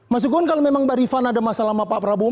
mas gugun kalau memang mbak rifan ada masalah sama pak prabowo